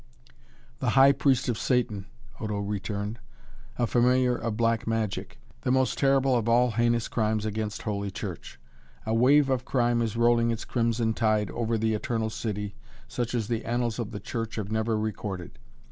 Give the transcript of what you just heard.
"The high priest of Satan," Odo returned, "a familiar of black magic the most terrible of all heinous crimes against Holy Church. A wave of crime is rolling its crimson tide over the Eternal City such as the annals of the Church have never recorded.